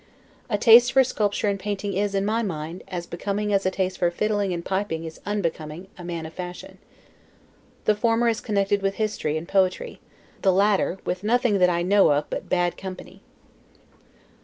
A taste for sculpture and painting is, in my mind, as becoming as a taste for fiddling and piping is unbecoming, a man of fashion. The former is connected with history and poetry; the latter, with nothing that I know of but bad company.